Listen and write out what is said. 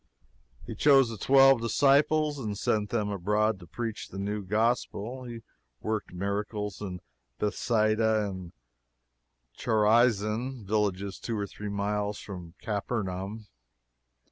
He chose the twelve disciples, and sent them abroad to preach the new gospel. He worked miracles in Bethsaida and Chorazin villages two or three miles from Capernaum.